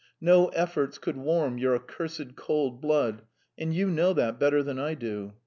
No efforts could warm your accursed cold blood, and you know that better than I do.